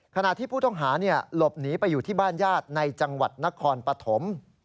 ขณะที่ผู้ต้องหาหลบหนีไปอยู่ที่บ้านญาติในจังหวัดนครปฐม